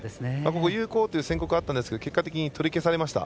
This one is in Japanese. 有効という宣告あったんですが結果的に取り消されました。